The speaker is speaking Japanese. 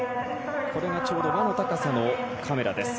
これがちょうど輪の高さのカメラです。